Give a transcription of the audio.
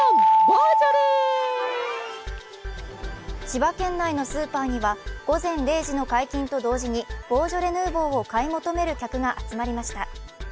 千葉県内のスーパーには午前０時の解禁とともにボージョレ・ヌーボーを買い求める客が集まりました。